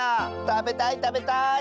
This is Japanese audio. たべたいたべたい！